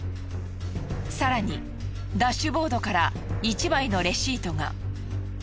更にダッシュボードから１枚のレシートが。